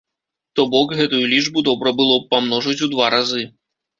То бок, гэтую лічбу добра было б памножыць у два разы.